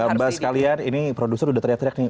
mbak sekalian ini produser udah teriak teriak nih